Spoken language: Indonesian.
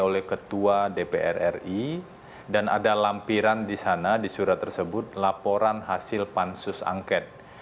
oleh ketua dpr ri dan ada lampiran di sana di surat tersebut laporan hasil pansus angket